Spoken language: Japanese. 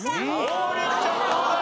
王林ちゃんどうだ？